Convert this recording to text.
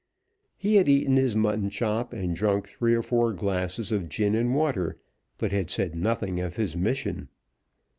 He had eaten his mutton chop, and drunk three or four glasses of gin and water, but had said nothing of his mission.